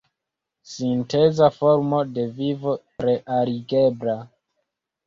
Sinteza formo de vivo realigebla!